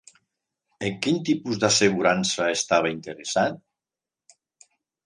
En quin tipus d'assegurança estava interessat?